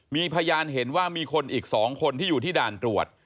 มีพยานเห็นว่ามีคนอีก๒คนที่อยู่ที่ด่านตรวจ